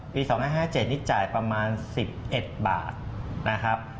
ปี๒๕๕๗นี่จ่ายประมาณ๑๑บาทนะครับ